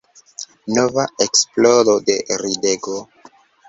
Nova eksplodo de ridego.